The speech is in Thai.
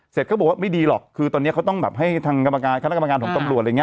เขาบอกว่าไม่ดีหรอกคือตอนนี้เขาต้องแบบให้ทางกรรมการคณะกรรมการของตำรวจอะไรอย่างนี้